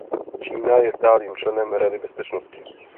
Čína je stálým členem Rady bezpečnosti.